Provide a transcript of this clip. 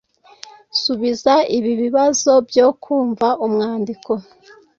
subiza ibi bibazo byo kumva umwandiko: